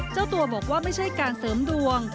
เจ้าตัวบอกว่าไม่ใช่การเสริมดวง